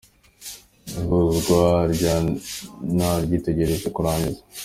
Ihuzwa rya na riteganyijwe kurangira.